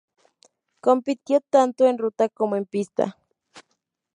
Compitió tanto en ruta como en pista